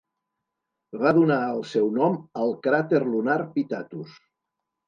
Va donar el seu nom al cràter lunar Pitatus.